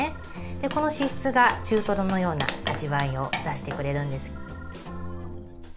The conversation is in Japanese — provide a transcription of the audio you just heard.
この脂質が中トロのような味わいを出してくれるんです。